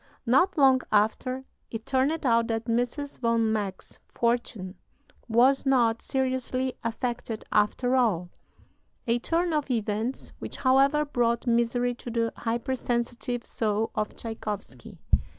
Not long after, it turned out that Mrs. von Meck's fortune was not seriously affected, after all a turn of events which, however, brought misery to the hyper sensitive soul of Tschaikowsky.